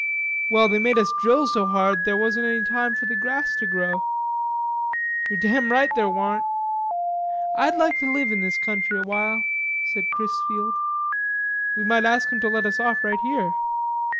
"Well, they made us drill so hard there wasn't any time for the grass to grow." "You're damn right there warn't." "Ah'd lak te live in this country a while," said Chrisfield. "We might ask 'em to let us off right here."